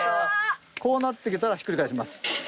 こうなってきたらひっくり返します。